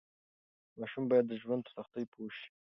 ماشومان باید د ژوند په سختۍ پوه شي.